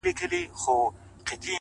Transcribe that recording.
ما اورېدلي چي له مړاوو اوبو سور غورځي!!